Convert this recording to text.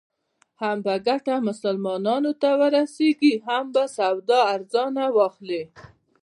هم به ګټه مسلمانانو ته ورسېږي او هم به سودا ارزانه واخلې.